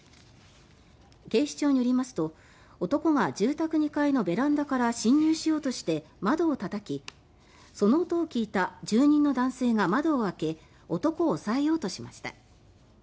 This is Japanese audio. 警視庁によりますと男が住宅２階のベランダから侵入しようとして窓をたたきその音を聞いた住人の男性が窓を開け男を押さえようとしました。